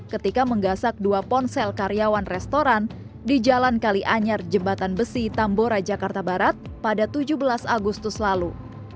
ketika menggasak dua ponsel karyawan restoran di jalan kalianyar jembatan besi tambora jakarta barat pada tujuh belas agustus lalu